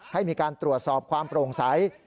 ให้มีการตรวจสอบความโปร่งใส